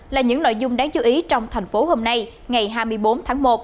là những nội dung đáng chú ý trong thành phố hôm nay ngày hai mươi bốn tháng một